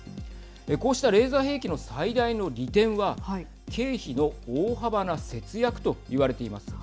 こうしたレーザー兵器の最大の利点は経費の大幅な節約といわれています。